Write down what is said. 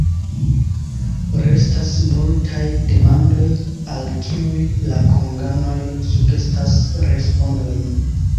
Restas multaj demandoj, al kiuj la konganoj sugestas respondojn.